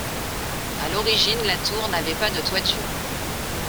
À l'origine la tour n'avait pas de toiture.